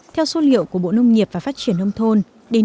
theo số liệu của bộ nông nghiệp và phát triển nông thôn đến